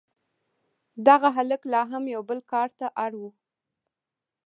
دغه هلک لا هم یو بل کار ته اړ و